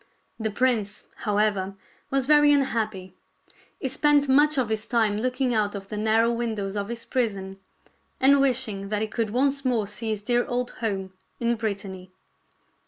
The prince, however, was very unhappy. He spent much of his time looking out of the narrow windows of his prison and wishing that he could once more see his dear old home in Brittany.